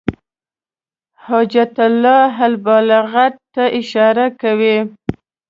حجة الله البالغة ته اشاره کوي.